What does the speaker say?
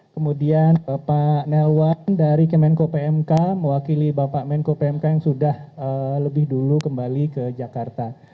kemudian bapak nelwan dari kemenko pmk mewakili bapak menko pmk yang sudah lebih dulu kembali ke jakarta